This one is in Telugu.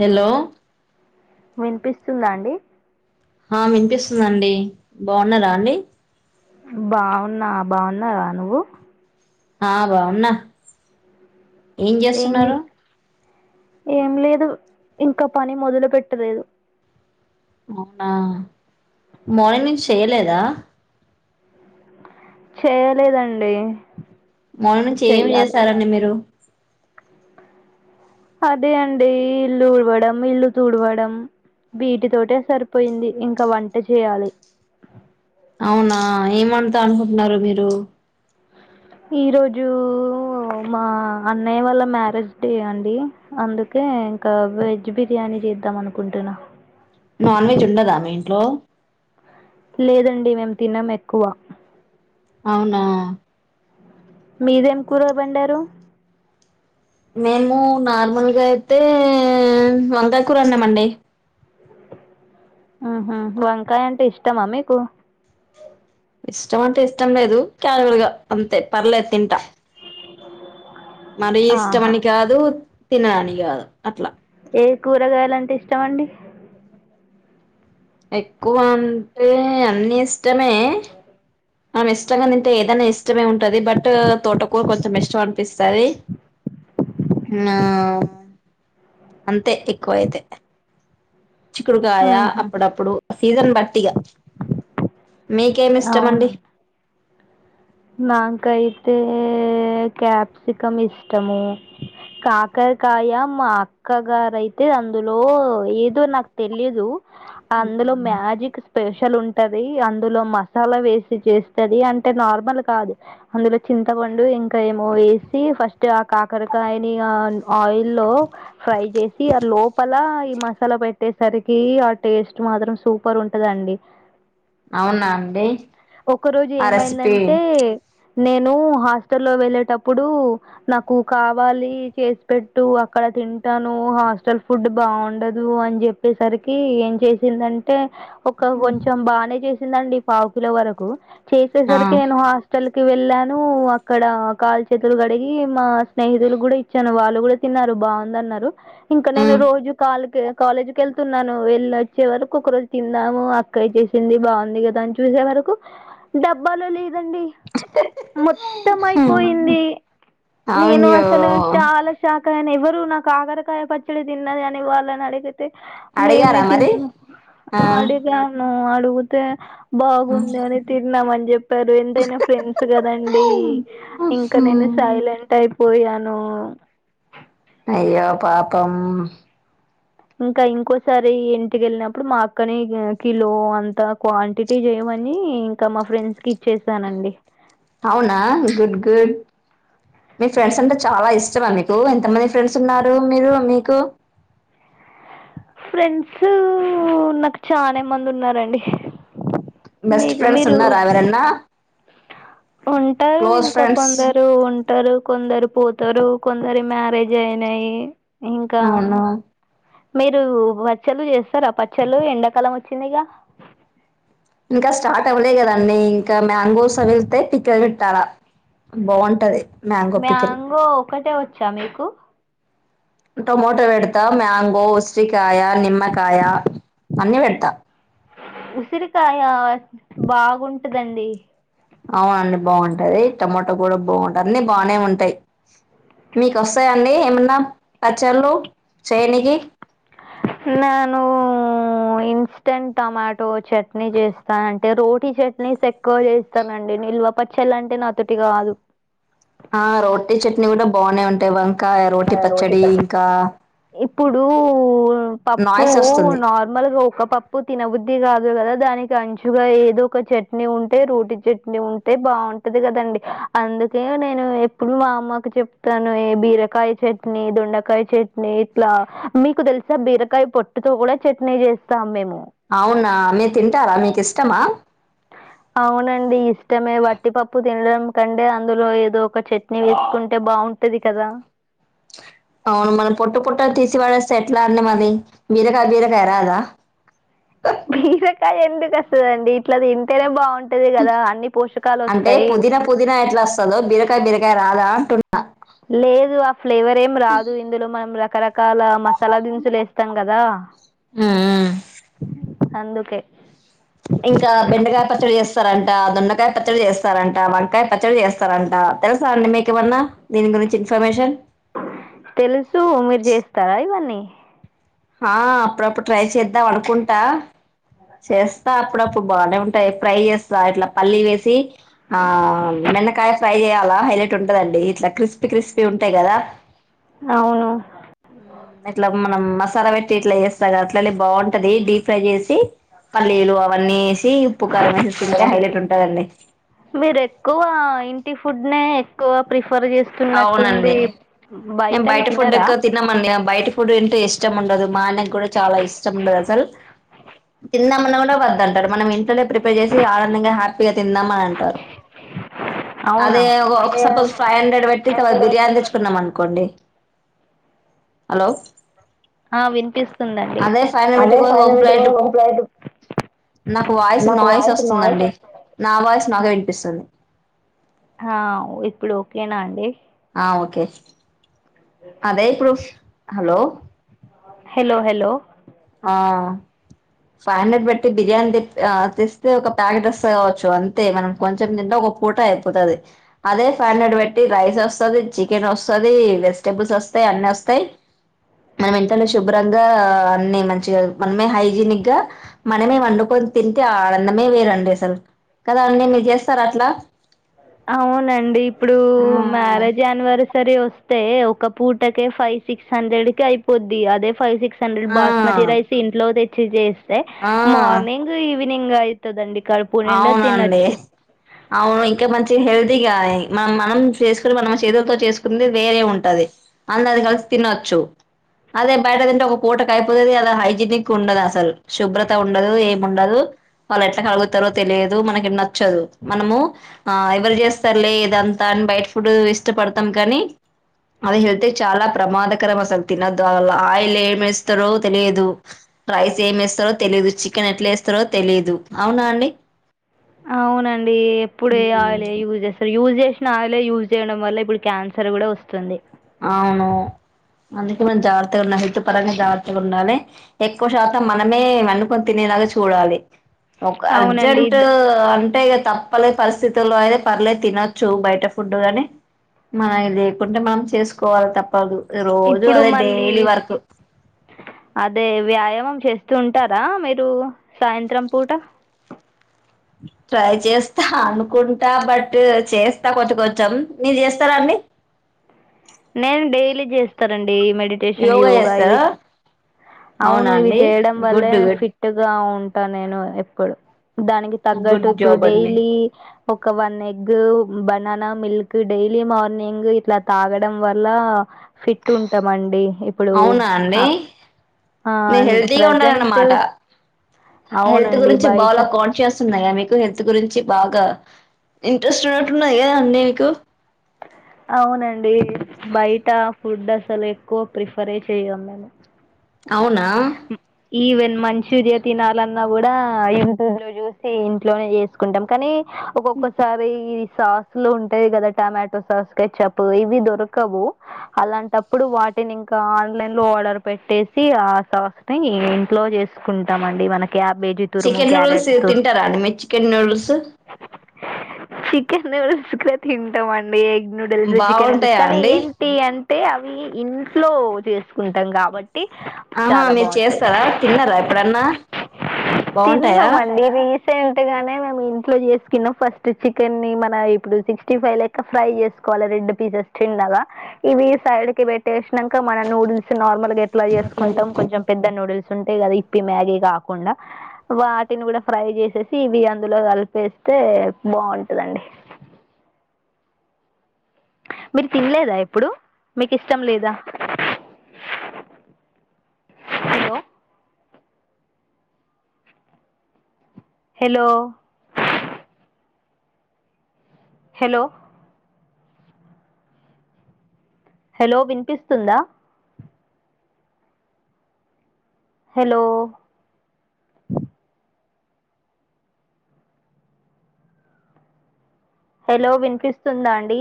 హలో వినిపిస్తుందాండి. ఆ వినిపిస్తుందండి బాగున్నారా అండి. బావున్నా బాగున్నారా నువ్వు ఆ బాగున్నా ఏం చేస్తున్నరు. ఏం లేదు ఇంకా పని మొదలు పెట్టలేదు. అవునా మార్నింగ్ నుంచి చేయలేదా? చేయలేదండి. మార్నింగ్ నుంచి ఏమి చెయ్యాలి చేశారండి మీరు అదే అండి ఇల్లు ఊడవడం ఇల్లు తుడవడం. బీటి తోటే సరిపోయింది ఇంకా వంట చేయాలి. అవునా ఏమంతా అనుకుంటున్నారు మీరు ఈ రోజు మా అన్నయ్య వాళ్ళ మ్యారేజ్ డే అండి అందుకే ఇంకా వెజ్ బిర్యానీ చేద్దాం అనుకుంటున్నా నాన్ వెజ్ ఉండదా మీ ఇంట్లో లేదండి మేము తినం ఎక్కువ అవునా మీరేం కూరబడారు మేము నార్మల్గా అయితే వంకాయ కూర అన్నామండి. ఆహ వంకాయ అంటే ఇష్టమా మీకు ఇష్టం అంటే ఇష్టం లేదు కారువల్ గా అంతే పర్లేదు తింటా. మరి ఆహా ఇష్టమని కాదు తినడానికి కాదు అట్లా కూరగాయలు అంటే ఇష్టమండి. ఎక్కువ అంటే అన్ని ఇష్టమే. మనం ఇష్టంగా తింటే ఏదైనా ఇష్టమే ఉంటది బట్ తోట కూర కొంచెం ఇష్టం ఇస్తది. ఆ అంతే ఎక్కువ అయితే చిక్కుడుకాయ ఆహా అప్పుడప్పుడు సీజన్ బట్టిగా మీకేమీ ఇష్టం అండి. నాకు అయితే క్యాప్సికం ఇష్టము. కాకరకాయ మా అక్క గారయితే అందులో ఏదో నాకు తెలియదు. అందులో మ్యాజిక్ స్పెష ల్ ఉంటది. అందులో మసాలా వేసి చేస్తది అంటే నార్మల్ కాదు అందులో చింతపండు ఇంకా ఏమో ఎసి ఫస్ట్ ఆ కాకరకాయని ఇక పాన్ లో ప్రై చేసి దాని లోపల. మసాలా పెట్టేసరికి ఆ టేస్ట్ మాత్రం సూపర్ ఉంటదండి. అవునా అండి ఒక రోజు ఆ రెసిపీ ఏమైందంటే నేను హాస్టల్ల్లో వెళ్ళేటప్పుడు నాకు కావాలి చేసి పే టు అక్కడ తింటాను హాస్టల్ ఫుడ్ బాగుండదు అని చెప్పేసరికి ఏం చేసింద అంటే ఒక కొంచెం బాగానే చేసిందండి పావుకిల వరకు ఆ చేసేసరికి నేను హాస్టల్కి వెళ్ళాను అక్కడ కాలు చేతులు కడిగి మా స్నేహితులు కూడా వచ్చారు వాళ్ళు కూడా తిన్నారు. బాగుందన్నారు ఇంకా నేను ఉమ్ రోజు కాలే కాలేజీకి వెళ్తున్నాను వెళ్ళి వచ్చే వరకు ఒక రోజు తిన్నాము అక్క చేసింది బాగుంది కదా అని చూసే వరకు డబ్బాలో లేదండి. మొత్తం అయిపోయింది. నేను అవున్యో అసలు చాలా షాక్ అయాను ఎవరు నా కాకరకాయ పచ్చడి తిన్నది అని వాళ్ళని అడిగి మేమే అడిగారా మరి ఆ తిన అడిగాను అడిగుతే బాగుంది అని తిన్నామంట వారు ఎంతైనా ఫ్రెండ్స్ కదండి ఇంకా నేను సైలెంట్ అయిపో యాను. అయ్యో పాపం ఇంకా ఇంకోసారి ఇంటికి వెళ్ళినప్పుడు మా అక్కనే కిలో అంత క్వాంటిటీ చేయ మని ఇంకా మా ఫ్రెండ్స్ కి ఇచ్చేసానండి. అవునా అ గుడ్ గుడ్. మీ ఫ్రెండ్స్ అంటే చాలా ఇష్టమా మీకు ఎంతమంది ఫ్రెండ్స్ ఉన్నారు మీరు మీకు ఫ్రెండ్స్ నాకు చాలానే మంది ఉన్నారండి. బెస్ట్ ఫ్రెండ్స్ ఉన్నారా ఎవరన్న. ఉంటరు ఇంకా కొందరు ఉంటారు కొందరు పోతారు కొందరి మ్యారేజ్ అయినాయి ఇంకా అవునా మీరు పచ్చళ్ళు చేస్తారా పచ్చళ్లు ఎండాకాలం వచ్చిందిగా ఇంకా స్టార్ట్ అవ్వలే కదండి ఇంకా మ్యాంగోస్ అ వెళ్తే పిక్క పెట్టాలా బాగుంటది మ్యాంగో ఒకటే వచ్చా మీకు టొమోటో వెడతా మ్యాంగో, ఉసిరికాయ, నిమ్మకాయ. అన్ని వెడ్తా. ఉసిరికాయ బాగుంటదండి. అవునండి బాగుంటది టమోటా కూడా బాగుంటది అన్ని బానే ఉంటాయి మీకు వస్తాయిండి ఏమన్నా పచ్చళ్లు చేయనికి నేను ఇన్స్టంట్ టమాటో చట్నీ చేస్తా అంటే రోటి రోటి చట్నీస్ ఎక్కువ చేస్తానండి నిల్వ పచ్చలు అంటే నాతొటి కాదు ఆ రోటి రోటీ పచ్చడి పచ్చ ఇంకా ఇప్పుడు పప్పు నాయిస్ వస్తుంది నార్మల్గా ఒక పప్పు తినబుద్ది కాదు సరే దానికి ఆంచుగా ఏదో ఒక చట్నీ ఉంటే రోటీ చట్నీ ఉంటే బాగుంటది కదండి అందుకే నేను ఎప్పుడు మా అమ్మకు చెప్తాను ఏ బీరకాయ్ చట్నీ దుండకాయ చట్నీ ఇట్లా మీకు తెలుసా బీరకాయ పొట్టుతో గూడా చట్నీ చేస్తాం మేము అవునా మీరు తింటారా మీకు ఇష్టమా అవునండి ఇష్టమే వట్టిపప్పు తినడం ఎందుకంటే అందులో ఏదో ఒక చట్నీ వేసుకుంటే బాగుంటది కదా అవును మనం పొట్టు పొట్టలు తీసి పడేస్తే ఎట్లా అండి మరి బీరకాయ్ బీరకాయ్ రాదా బీరకాయ ఎందుకు వస్తదండి ఇట్లా తింటేనే బాగుంటది కదా అన్ని పోషకాలు అంటే వస్తాయి పుదీనా పుదీనా ఎట్ల వస్తదో బిరకాయ బీరకాయ రాదా అంటున్నా లేదు ఆ ఫ్లేవర్ ఏం రాదు ఇందులో మనం రకరకాల మ సాల దినుసులేస్తాం కదా ఉమ్, అందుకే ఇంకా బెండకాయ పచ్చడి చేస్తరంట దొండకాయ పచ్చడి చేస్తరంట వంకాయ పచ్చడి చేస్తారంట తెలుసా అండి మీకు ఏమన్న దీని గురించి ఇన్ఫర్మేషన్ తెలుసూ మీరు చేస్తారా ఇవన్నీ హా అప్పుడప్పుడు ట్రై చేద్దాం అనుకుంటా చేస్తా అప్పుడప్పుడు ప్పు బాగానే ఉంటాయి ఫ్రై చేస్తా ఇట్లా పల్లీ వేసి ఆ బెండకాయ ఫ్రై చేయాల హైలట్ ఉంటదండి ఇట్లా క్రిస్పీ క్రిస్పీ ఉంటాయి కదా అవును ఇట్ల మనం మ సాల పెట్టి ఇట్లా చేేస్తామ్ కదా అట్లనే బాగుంటది డీప్ ఫ్రై చేసి పల్లీలు అవన్నీ వేసి ఉప్పు కారం మేసి తింటే హైలైట్ ఉంటదండి మీరు ఎక్కువ ఇంటి ఫుడ్ నే ఎక్కువ ప్రిఫర్ ఇస్తున్నట్టుంది మేం బయట ఫుడ్ ఎక్కవ తినమండి బయట ఫుడ్ తింటే ఇష్టం ఉండదు మా ఆయనకు కూడా చాలా ఇష్టం ఉండదు తెలుసా ఉ తిందాం అన్న కుడా వద్దంటరు మనం ఇంట్లోనే ప్రిపేర్ చేసి ఆనందంగా హ్యా పీగా తిందాం అని అంటారు అవునా అదే ఒక సపోస్ ఫైవ్ హండ్రెడ్ పెట్టి [unintelligible] బిర్యానీ తెచ్చుకున్నం అనుకోండి హలో ఆ వినిపిస్తుందండి అదే ఫైవ్ హండ్రెడ్ పెట్టి అదే పైన ఒక ప్లేట్ పెట్టుకొని ఒక ప్లేట్ నాకు వాయిస్ నాకు నాయిస్ వాయిస్ నాయిస్ వస్తుందండి వస్తుంది నా వాయిస్ నాకే వినిపిస్తుంది ఆ ఇప్పుడు ఓక్కేనా అండి ఆ ఓకే అదే ఇపుడు హలో హెలొ హెల్లొ హా ఫైవ్ హండ్రెడ్ పెట్టి బిర్యానీ తెస్తే ఒక ప్యాకెట్ వస్తది కావచ్చు అంతే మనం కొంచెం తింటాం ఒక పూట అయిపోతది అదే ఫైవ్ హండ్రెడ్ పెట్టి రైస్ వస్తది చికెన్ వస్తది వెజిటబుల్స్ వస్ స్తాయ్ అన్ని వస్తయి మన ఇంట్లనే శుభ్రంగా అన్నీ మంచిగా మనమే హైజీనిక్ గా మనమే వండుకొని తింటే ఆ ఆనందమే వేరండి అసలు కదా అండి మీరు చేస్తారా అట్లా అవునండి ఇప్పుడు మ్యారేజ్ యానివర్సరీ వస్త అస్తే ఒక పూటకే ఫైవ్ సిక్స్ హండ్రెడ్ కి అయిపోద్ది అదే ఫైవ్ సిక్స్ హండ్రెడ్ ఆ బాస్మతి రైస్ ఇంట్లో తెచ్చిజెస్తే ఆ ఆ మార్నింగ్ ఈవెనింగ్ నింగ్ ఐతదండి అవునండి అవును ఇంకె మంచి తె హెల్దీగ మనం మనం చేసుకుని మన చేతులతో చేసుకుంది వేరే ఉంటది అందరు కల్సి తినోచ్చు అదే బయట తింటే ఒక పూటకు అయిపోతది కద హైజీనిక్ ఉండదసల్ శుభ్రత ఉండదు ఏ ముండదు వాళ్ ఎట్ల [unintelligible] స్తరో తెలీదు మనకి నచ్చదు మనము ఎవరు చేస్తర్లే ఇదంతా అ బయట ఇష్టపడతాం కానీ అది హళ్త్ కె చాల ప్రమాదకరం అసలు తినద్దు ఆయిల్ ఏం వేస్తారో తెలియదు రైస్ ఏమిేస్తారో తెలిదు చికెన్ ఎట్ల వేస్తారో తెలిదు అవునా అండి అవునండి ఎప్పుడె ఏ ఆయిలే యూజ్ చేస్తారు యూజ్ చే [unintelligible] ఆయిలే యూజ్ చేయడం వల్ల ఇప్పుడు క్యాన్సర్ కూడ వస్తుంది అవును అందుకే మనం జాగ్రత్తగా ఉన్నా హెల్త్ పరంగా జాగ్రత్తగా ఉండాలి ఎక్కువ శాతం మనమే వండుకొని తినే గ చూడాలి ఒక అవునండి అర్జంట్ ద అంటే తప్పల్లే పరిస్థితుల్లో అయితే పర్లేదు తినొచ్చు బయట ఫుడ్ ని మనం ఇది కటుంబం చేసుకోవాల్ తప్పదు రోజు ఇప్పుడు అదే మళ్ళీ డైలీ వర్క్ అదే వ్యాయమం చేస్తూ ఉంటార మీరు సాయంత్రం పూట ట్రై చేస్తా అనుకుంట బట్ చేస్తా కొంచ కొంచెం మీరు చేస్తారాండి నేను డైలీ చేస్తారంండి మెడిటేషన్ యోగా ఇవి అవును అవునా ఇవి అండి చేయడం వల్లే గుడ్ గుడ్ ఫిట్ గా ఉం ట నేను ఎప్పుడు దానికి తగ్గట్టు గుడ్ ఇప్పుడు జాబ్ అండి డైలీ ఒక one egg banana milk daily morning ఇట్ల తాగ డం వల్లా ఫిట్ ఉంటామండి ఇప్పుడు ఆ, మీర్ హెల్తీగ ప్రజెంట్ ఉండారన్నమాట హెల్త్ అవునండి గురించి బాల బయట కాన్షియన్స్ ఉన్నాయ మీకు హెల్త్ గురించి బాగ ఇంట్రెస్ట్ ఉన్నట్టున్నది కదా నీకు అవునండి బయట ఫుడ్ అసలు ఎక్కువ ప్రిఫరే చెయం మేము అవున ఈవెన్ మంచూరియా తినాలన్నా కూడా యూ టాబ్ లో చూసి ఇంట్లోనే చేసుకుంటాం కానీ ఒక్కొక్కసారి సాస్లు ఉంటాయి కద టమాటో సాస్ క చెప్పు ఇవి దొరకవు అలాంటప్పుడు వాటి అంటే నే ఇంకా ఆన్లైన్లో ఆర్డర్ పెట్టేసి సాస్ ని ఇంట్లో చేసుకుంటాం అండి మనకి క్యాబేజీ తూరుము చికెన్ నూడిల్స్ క్యారెట్ తూర్ తింటారా అండి మీరు చికెన్ నూడిల్స్ చికెన్ న్యూడిల్స్ ఎక్కువ తింటాంమండి ఎగ్ న్యూడిల్స్ చికెన్ న్యూడిల్స్ బాగుంటాయా కానీ అండి ఏంటి అం టే అవి ఇన్ట్లో చేసుకుంటాం కాబట్టి ఆహా చాల మీరు బాగుంటాయి చేస్తారా తిన్నారా ఎప్పుడన్నా బాగుంటాయా తిన్నాాంమండి రీసెంట్ గానే మేము ఇంట్లో చేసుకున్నాం ఫస్ ట్ చికెన్ని మన ఇప్పుడు సిక్స్టీ ఫైవ్ లెక్క ఫ్రై చేసుకోవాలి రెండు పీసెస్ చిన్నగా ఇవి సైడ్ కి పెట్టేసినాక మనం నూడిల్స్ నార్మల్ గా ఎట్లా అట్లా చేసుకుంటాం కొంచెం పెద్ద నూడిల్స్ సు ఉంటాయి కదా ఇప్పి మ్యాగీ కాకుండ వాటిని కూడా ఫ్రై చేసేసి ఇవి అందులో కలిపే అయితే బాగుంటదండి అ మీర్ తిన్లేదా ఎప్పుడు మీకిష్టం లేద హలో హెలో హెలో హలో వినిపిస్తుందా హెలో హలో వినిపిస్తుందా అండి